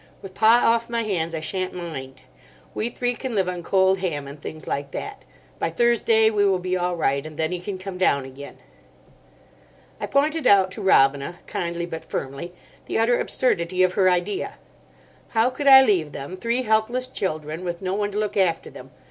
With Pa off my hands I sha'n't mind. We three can live on cold ham and things like that. By Thursday we will be all right, and then he can come down again." I pointed out to Robina, kindly but firmly, the utter absurdity of her idea. How could I leave them, three helpless children, with no one to look after them?